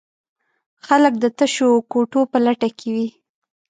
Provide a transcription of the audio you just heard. خلک د تشو کوټو په لټه کې وي.